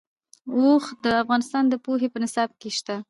اوښ د افغانستان د پوهنې په نصاب کې شته.